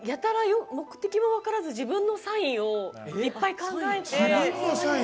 目的も分からず自分のサインをいっぱい考えて。